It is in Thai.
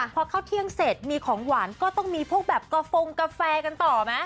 พอเข้าเที่ยงเสร็จมีของหวานก็ต้องมีพวกแบบกระฟงกาแฟกันต่อไหม